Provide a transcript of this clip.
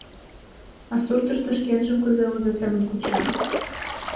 А суртышто шкенжым кузе оза семын куча!